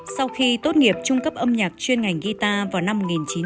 sau khi tốt nghiệp trung cấp âm nhạc chuyên ngành guitar vào năm một nghìn chín trăm bảy mươi